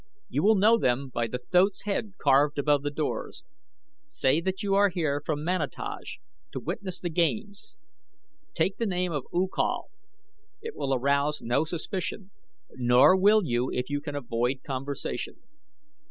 You will know them by the thoat's head carved above the doors. Say that you are here from Manataj to witness the games. Take the name of U Kal it will arouse no suspicion, nor will you if you can avoid conversation.